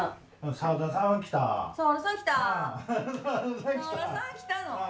沢田さん来たの？